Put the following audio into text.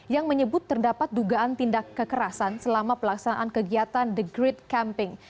yang menyebut terdapat dugaan tindak kekerasan selama pelaksanaan kegiatan the great camping